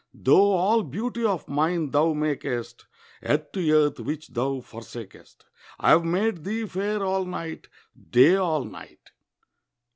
Though all beauty of nine thou makest, Yet to earth which thou forsakest I have made thee fair all night, Day all night.